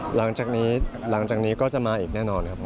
หลังจากนี้ก็จะมาอีกแน่นอนครับผม